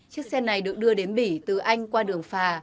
chiếc xe này được đưa đến bỉ từ anh qua đường phà